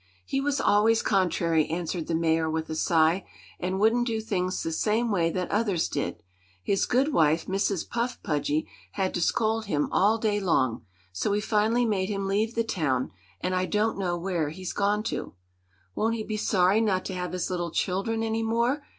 "He was always contrary," answered the Mayor, with a sigh, "and wouldn't do things the same way that others did. His good wife, Mrs. Puff Pudgy, had to scold him all day long; so we finally made him leave the town, and I don't know where he's gone to." "Won't he be sorry not to have his little children any more?"